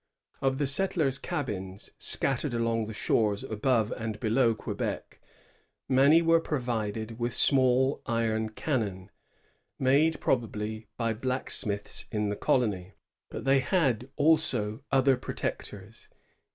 Of the settlers' cabins scattered along the shores above and below Quebec, many were provided with small iron cannon, made probably by blacksmiths in the colony ; but they had also other protectors.